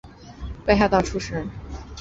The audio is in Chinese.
北海道出身。